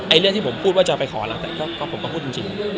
ไอเรื่องที่ผมพูดว่าจะไปขอแล้วแต่ก็ก็ผมก็พูดจริงจริง